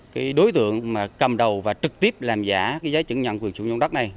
cái đối tượng mà cầm đầu và trực tiếp làm giả giấy chứng nhận quyền chủ nhân đất này